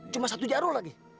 cuma satu jarur lagi